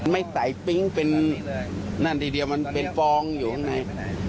ไม่ใส่ปิ๊งเป็นนั่นทีเดียวมันเป็นฟองอยู่ข้างใน